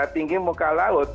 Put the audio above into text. tinggi muka laut